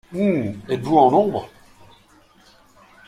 Hum! êtes-vous en nombre?